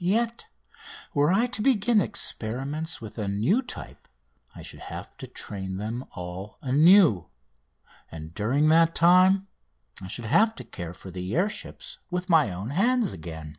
Yet were I to begin experiments with a new type I should have to train them all anew, and during that time I should have to care for the air ships with my own hands again.